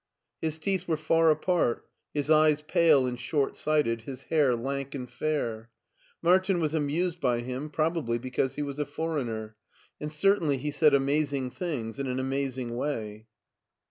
His teeth were far apart, his eyes pale and short sighted, his hair lank and fair. Martin was amused by him, probably because he was a foreigner, and certainly he said amazing things in an amazing way.